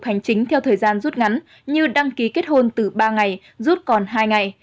hành chính theo thời gian rút ngắn như đăng ký kết hôn từ ba ngày rút còn hai ngày